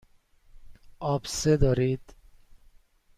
آبسه دارید.